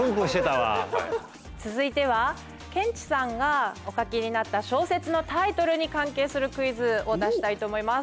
続いてはケンチさんがお書きになった小説のタイトルに関係するクイズを出したいと思います。